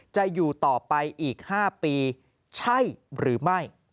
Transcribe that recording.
จะอยู่ต่อไปอีก๕ปีใช่หรือไม่